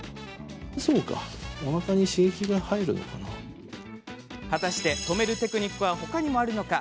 そうか果たして、止めるテクニックは他にもあるのか。